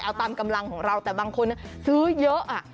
เอาตามกำลังของเราแต่บางคนซื้อเยอะ